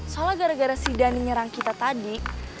soalnya gara gara si dan nyerang kita tadi